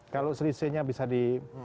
kalau selisihnya bisa di